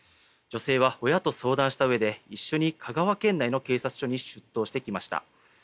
女性は親と相談したうえで一緒に香川県内の警察署に出頭してきました。